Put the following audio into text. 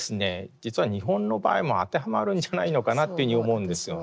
実は日本の場合も当てはまるんじゃないのかなというふうに思うんですよね。